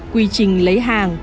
quy trình lấy hàng